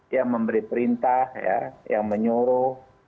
yang memberi perintah ya yang menyuruh